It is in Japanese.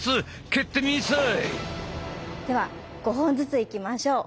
では５本ずついきましょう。